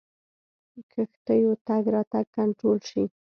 کښتیو تګ راتګ کنټرول شي.